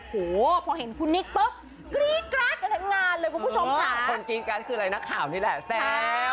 คุณผู้ชมค่ะคนกินกันคืออะไรนักข่าวนี่แหละแซ่ว